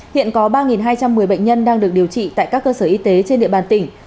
hiện có ba hai trăm một mươi bệnh nhân đang được điều trị tại các cơ sở y tế trên địa bàn tỉnh